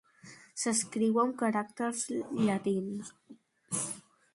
S'escriu amb caràcters llatins.